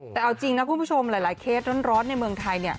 แต่เอาจริงนะคุณผู้ชมหลายเคสร้อนในเมืองไทย